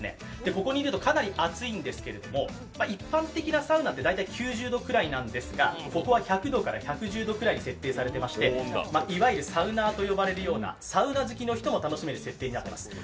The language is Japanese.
ここにいると熱いんですが大体９０度くらいなんですがここは１００度から１１０度ぐらいに設定されていましていわゆるサウナーと呼ばれるようなサウナ好きの人も楽しめる設定になっています。